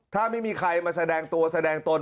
ถ้าไม่มีใครมาแสดงตัวแสดงตน